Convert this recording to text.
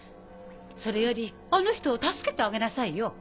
それよりあの人を助けてあげなさいよ。